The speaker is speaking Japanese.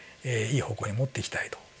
いい方向へ持っていきたいと。